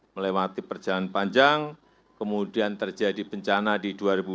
melewati perjalanan panjang kemudian terjadi bencana di dua ribu dua puluh